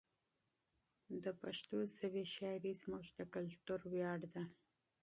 د پښتو ژبې شاعري زموږ د کلتور ویاړ ده.